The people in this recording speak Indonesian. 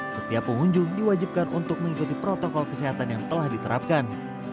setiap pengunjung diwajibkan untuk mengikuti protokol kesehatan yang telah diterapkan